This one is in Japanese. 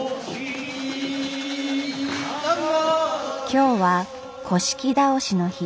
今日は倒しの日。